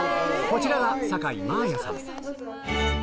こちらが酒井真絢さん